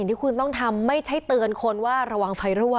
ที่คุณต้องทำไม่ใช่เตือนคนว่าระวังไฟรั่ว